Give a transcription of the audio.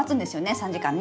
３時間ね。